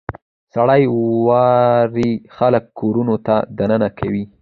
• سړې واورې خلک کورونو ته دننه کوي.